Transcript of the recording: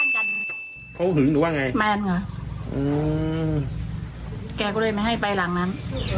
เขาหึงหรือว่าไงแมนค่ะอืมแกก็เลยไม่ให้ไปหลังนั้น